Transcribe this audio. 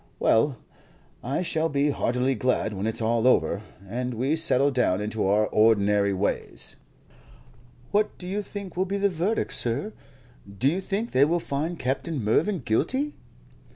Well, I shall be heartily glad when it's all over, and we settle down into our ordinary ways." "What do you think will be the verdict, sir? Do you think they will find Captain Mervyn guilty?"